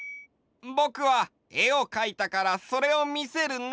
ぼくはえをかいたからそれをみせるね！